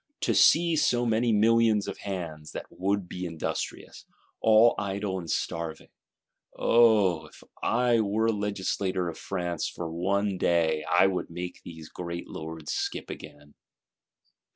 To see so many millions of hands, that would be industrious, all idle and starving: Oh, if I were legislator of France, for one day, I would make these great lords skip again!"